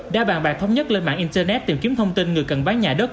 đã bàn bạc thống nhất lên mạng internet tìm kiếm thông tin người cần bán nhà đất